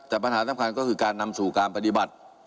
แต่ปัญหาสำคัญก็คือการนำสู่การปฏิบัติ